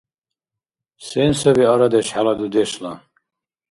Сен саби арадеш хӀела дудешла?